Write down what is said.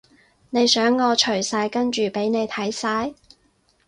你想我除晒跟住畀你睇晒？